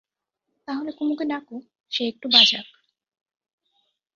তা হলে কুমুকে ডাকো, সে একটু বাজাক।